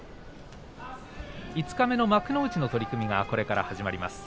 五日目の幕内の取組がこれから始まります。